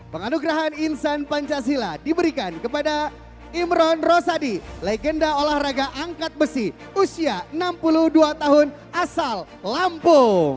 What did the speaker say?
penganugerahan insan pancasila diberikan kepada imron rosadi legenda olahraga angkat besi usia enam puluh dua tahun asal lampung